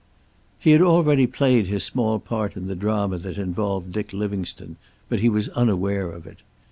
He had already played his small part in the drama that involved Dick Livingstone, but he was unaware of it.